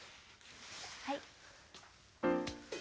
はい。